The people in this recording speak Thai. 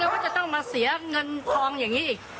ว่าจะต้องมาเสียเงินทองอย่างนี้อีก